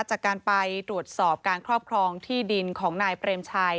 จากการไปตรวจสอบการครอบครองที่ดินของนายเปรมชัย